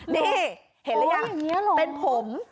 นี่เห็นหรือยัง